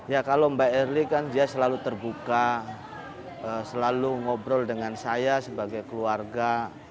ya kalau mbak erli kan dia selalu terbuka selalu ngobrol dengan saya sebagai keluarga